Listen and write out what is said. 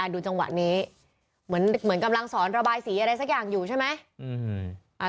ดูจังหวะนี้เหมือนกำลังสอนระบายสีอะไรสักอย่างอยู่ใช่ไหม